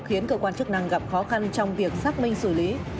khiến cơ quan chức năng gặp khó khăn trong việc xác minh xử lý